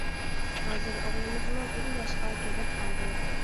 ھازىر ئوغلىمىزمۇ بىر ياشقا كىرىپ قالدى.